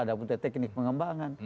ada komite teknik pengembangan